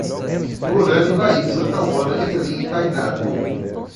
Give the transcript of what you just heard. Lorane, Laíssa, Tauana, Evelim e Tainar